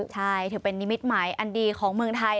ใช่ถือเป็นนิมิตหมายอันดีของเมืองไทย